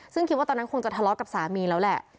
ซึ่งคิดว่าตอนนั้นคงจะทะเลาะกับสามีแล้วแหละ